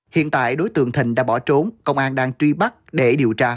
hiện tại đối tượng thịnh đã bỏ trốn công an đang truy bắt để điều tra